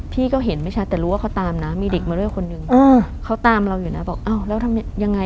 พี่ก็เห็นไม่ชัดแต่รู้ว่าเขาตามนะมีเด็กมาด้วยคนหนึ่งเขาตามเราอยู่นะบอกอ้าวแล้วทำยังไง